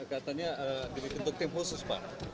katanya dibentuk tim khusus pak